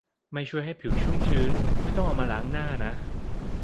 ไม่ช่วยให้ผิวชุ่มชื้น ไม่ต้องเอามาล้างหน้านะ